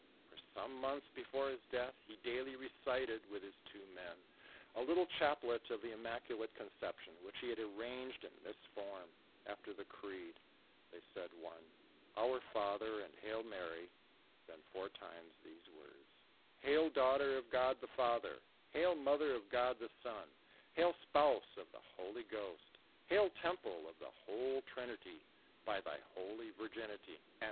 For some months before his death, he daily recited, with his two men, a Httle chaplet of the Im maculate Conception, which he had arranged in this form ; after the creed, they said ono " Our Father and hail Mary," then four times these words :" Hail daughter of God the Father, hail mother of God the Son, hail spouse of the Holy Ghost, hail temple of the whole Trinity, by thy holy virginity and DIBOOVERnCB m TITE MISSISSIPPI VALLBT.